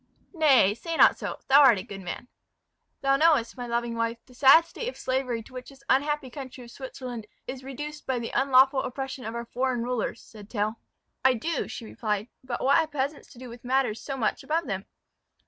"Nay, say not so; thou art a good man." "Thou knowest, my loving wife, the sad state of slavery to which this unhappy country of Switzerland is reduced by the unlawful oppression of our foreign rulers," said Tell. "I do," she replied; "but what have peasants to do with matters so much above them?"